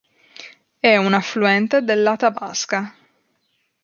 È un affluente dell'Athabasca.